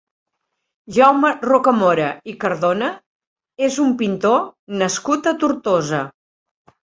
Jaume Rocamora i Cardona és un pintor nascut a Tortosa.